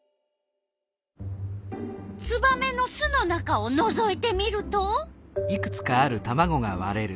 ツバメの巣の中をのぞいてみると。